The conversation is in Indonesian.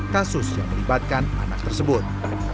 kasus yang melibatkan anak tersebut